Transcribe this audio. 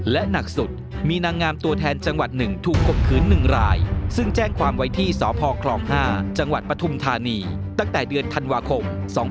และหนักสุดมีนางงามตัวแทนจังหวัด๑ถูกคมคืน๑รายซึ่งแจ้งความไว้ที่สพคลอง๕จังหวัดปฐุมธานีตั้งแต่เดือนธันวาคม๒๕๖